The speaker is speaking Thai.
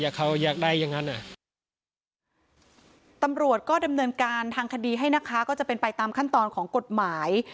เขาอยากได้อย่างงั้นอ่ะตำรวจก็ดำเนินการทางคดีให้นะคะก็จะเป็นไปตามขั้นตอนของกฎหมาย